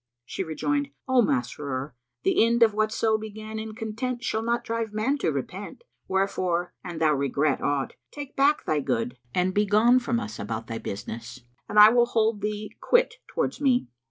She rejoined, "O Masrur, the end of whatso began in content shall not drive man to repent; wherefore, an thou regret aught, take back thy good and begone from us about thy business and I will hold thee quit towards me."